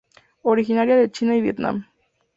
Originaria de China y Vietnam.